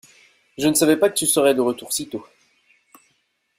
Je ne savais pas que tu serais de retour si tôt.